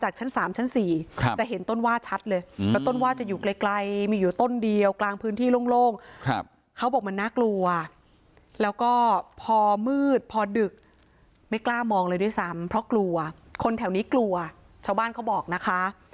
เขาบอกมันน่ากลัวแล้วก็พอมืดพอดึกไม่กล้ามองเลยด้วยซ้ำเพราะกลัวคนแถวนี้กลัวชาตาบ้านเขาบอกนะคะ